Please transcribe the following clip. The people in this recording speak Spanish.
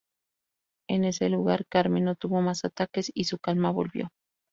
En ese lugar, "Carmen" no tuvo más ataques y su calma volvió.